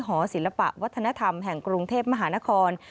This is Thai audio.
หศิลปะวัฒนธรรมแห่งกรุงเทพมหานคร